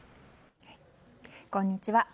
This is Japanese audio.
こんにちは。